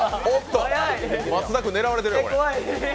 松田君、狙われてる。